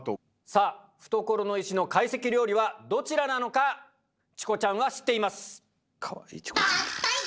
さあ懐の石の懐石料理はどちらなのかチコちゃんは知っています。